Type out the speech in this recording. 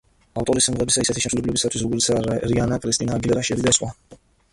ავტორი სიმღერებისა ისეთი შემსრულებლებისთვის, როგორიცაა რიანა, კრისტინა აგილერა, შერი და სხვა.